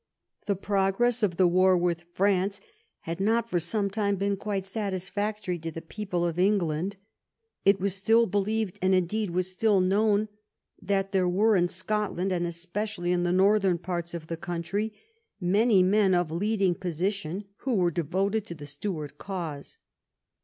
The progress of the war with France had not for some time been quite satisfactory to the people of England. It was still believed, and indeed was still known, that there were in Scotland, and especially in the northern parts of the country, many men of leading position who were devoted to the Stuart cause.